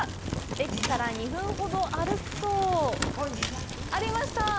駅から２分ほど歩くとありました！